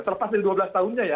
terpas dari dua belas tahunnya ya